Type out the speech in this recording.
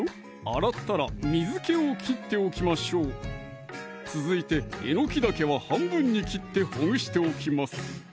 洗ったら水気を切っておきましょう続いてえのきだけは半分に切ってほぐしておきます